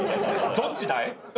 どっちだい。